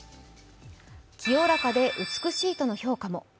清らかで美しいとの評価も。